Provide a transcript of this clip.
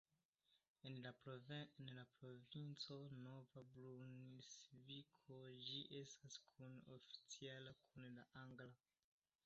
En la provinco Nov-Brunsviko ĝi estas kun-oficiala kun la angla.